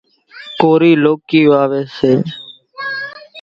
ڪورِي لوڪِي واويَ سي۔